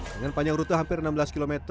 dengan panjang rute hampir enam belas km